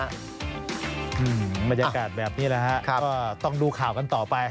บรรยากาศแบบนี้แหละฮะก็ต้องดูข่าวกันต่อไป